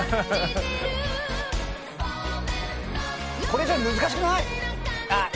これじゃ難しくない⁉あっ！